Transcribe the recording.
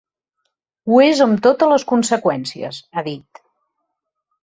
Ho és amb totes les conseqüències, ha dit.